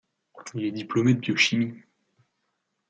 Il est diplômé de biochimie.